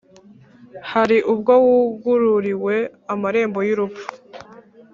hari ubwo wugururiwe amarembo y’urupfu,